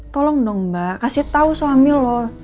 tolong dong mbak kasih tau suami loh